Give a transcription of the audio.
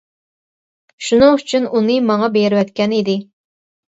شۇنىڭ ئۈچۈن ئۇنى ماڭا بېرىۋەتكەن ئىدى.